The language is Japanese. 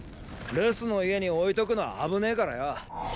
留守の家に置いとくのは危ねェからよ。